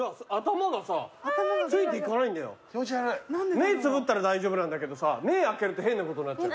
目つぶったら大丈夫なんだけどさ目開けると変なことなっちゃう。